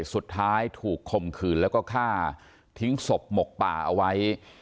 สุดท้ายถูกข่มขืนแล้วก็ฆ่าทิ้งศพหมกป่าเอาไว้